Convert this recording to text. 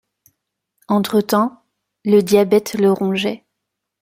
Entretemps, le diabète le rongeait.